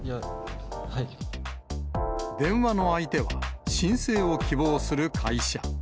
電話の相手は、申請を希望する会社。